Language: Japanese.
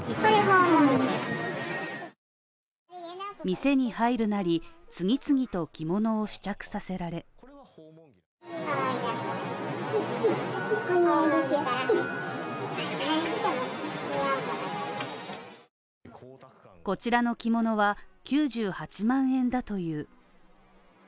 店に入るなり、次々と着物を試着させられこちらの着物は９８万円だという。